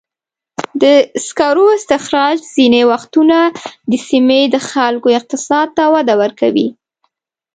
د سکرو استخراج ځینې وختونه د سیمې د خلکو اقتصاد ته وده ورکوي.